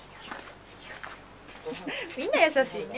みんな優しいね。